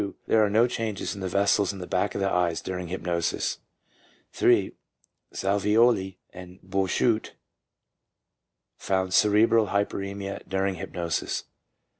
There are no changes in the vessels in the back of the eyes during hypnosis. 3. Salvioli and Bouchut found cerebral hyperemia during hypnosis.